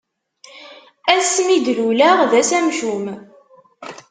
Ass mi d-luleɣ d ass amcum.